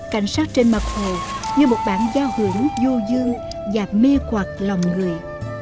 cảnh sát trên mặt hồ như một bản giao hưởng vô dương và mê quạt lòng người